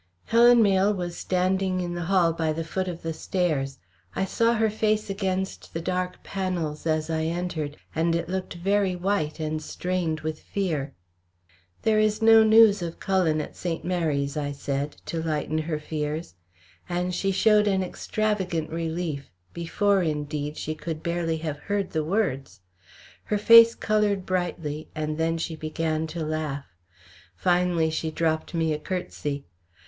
Helen Mayle was standing in the hall by the foot of the stairs. I saw her face against the dark panels as I entered, and it looked very white and strained with fear. "There is no news of Cullen at St. Mary's," I said, to lighten her fears; and she showed an extravagant relief, before, indeed, she could barely have heard the words. Her face coloured brightly and then she began to laugh. Finally she dropped me a curtsey.